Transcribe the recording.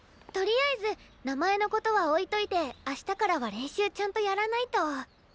とりあえず名前のことは置いといて明日からは練習ちゃんとやらないと。